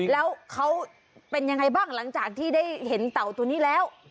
แล้วเขาเป็นยังไงบ้างหลังจากที่ได้เห็นเต่าตัวนี้แล้ว